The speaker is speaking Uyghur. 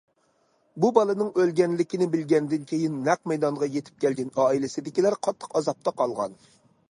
بۇ بالىنىڭ ئۆلگەنلىكىنى بىلگەندىن كېيىن نەق مەيدانغا يېتىپ كەلگەن ئائىلىسىدىكىلەر قاتتىق ئازابتا قالغان.